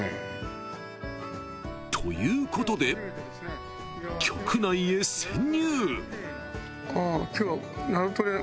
［ということで局内へ潜入］